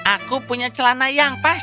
aku punya celana yang pas